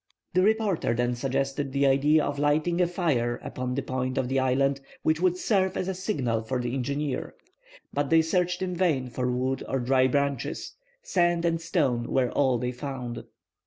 The reporter then suggested the idea of lighting a fire upon the point of the island, which would serve as a signal for the engineer. But they searched in vain for wood or dry branches. Sand and stones were all they found.